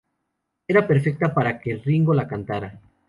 Era perfecta para que Ringo la cantara.